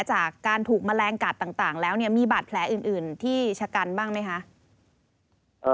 จากการถูกมะแรงกัดต่างแล้วมีบาดแผลอื่นที่ชะกันบ้างไหมครับ